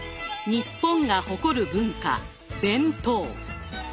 日本が誇る文化弁当。